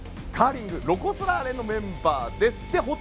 カーリング、ロコ・ソラーレのメンバーです。